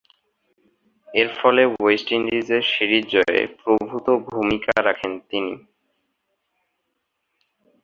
এরফলে ওয়েস্ট ইন্ডিজের সিরিজ জয়ে প্রভূতঃ ভূমিকা রাখেন তিনি।